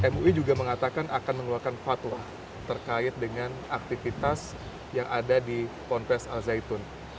mui juga mengatakan akan mengeluarkan fatwa terkait dengan aktivitas yang ada di ponpes al zaitun